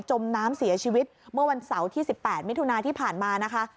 มน้ำเสียชีวิตเมื่อวันเสาร์ที่๑๘มิถุนาที่ผ่านมานะคะ